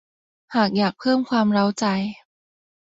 หากอยากเพิ่มความเร้าใจ